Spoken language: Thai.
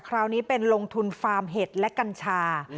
คราวนี้เป็นลงทุนฟาร์มเห็ดและกัญชา